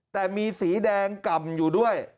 แต่มีสีแดงกล่ำอยู่ด้วย